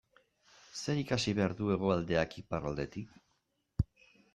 Zer ikasi behar du Hegoaldeak Iparraldetik?